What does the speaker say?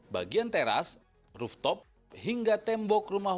bagian teras rooftop hingga tembok rumah